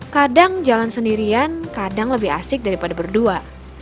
kadang jalan sendirian kadang lebih asik daripada berdua